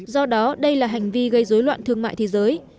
do đó đây là hành vi gây dối loạn thương mại thế giới